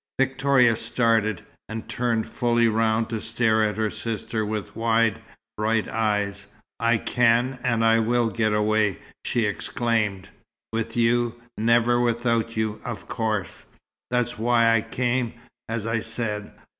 Victoria started, and turned fully round to stare at her sister with wide, bright eyes. "I can and I will get away!" she exclaimed. "With you. Never without you, of course. That's why I came, as I said.